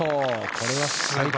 これは最高。